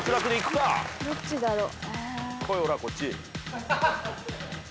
どっちだろう。